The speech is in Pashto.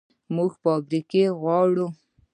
موږ فابریکې غواړو